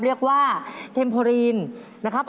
เรียกว่าเทมโพรีนนะครับ